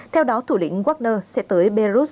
theo đó thủ lĩnh wagner sẽ tới b